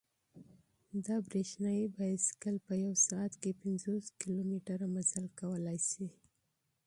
دا برېښنايي بایسکل په یوه ساعت کې پنځوس کیلومتره مزل کولای شي.